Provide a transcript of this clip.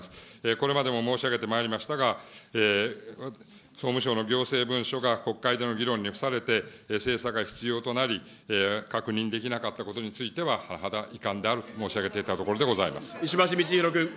これまでも申し上げてまいりましたが、総務省の行政文書が国会での議論に付されて、精査が必要となり、確認できなかったことについては、はなはだ遺憾であると申し上げて石橋通宏君。